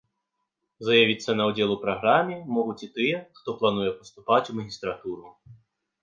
Заявіцца на ўдзел у праграме могуць і тыя, хто плануе паступаць у магістратуру.